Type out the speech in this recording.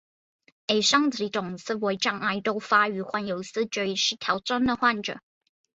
以上几种思维障碍多发于患有思觉失调症的患者。